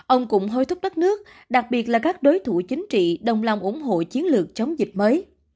ông cũng hối thúc đất nước đặc biệt là các đối thủ chính trị đồng lòng ủng hộ chiến lược chống dịch mới